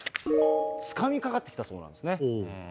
つかみかかってきたそうなんですね。